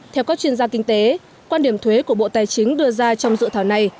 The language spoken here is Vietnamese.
theo các chuyên gia kinh tế quan điểm thuế của bộ tài chính đưa ra trong dự thảo này